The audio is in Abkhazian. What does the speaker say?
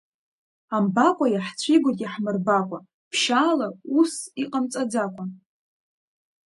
Амбакәа иаҳцәигоит иаҳмырбакәа, ԥшьаала, усс иҟамҵаӡакәа…